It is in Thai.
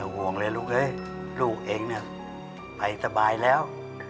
อย่าห่วงเลยลูกเอ๊ะลูกเองน่ะไปสบายแล้ว